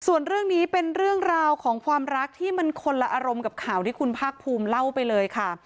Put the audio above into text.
ส่วนเรื่องนี้เป็นเรื่องราวของความรักที่มันคนละอารมณ์กับข่าวที่คุณภาคภูมิเล่าไปเลยค่ะ